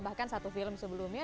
bahkan satu film sebelumnya